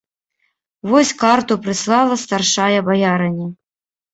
Вось карту прыслала старшая баярыня.